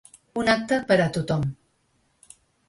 Un acte ‘per a tothom’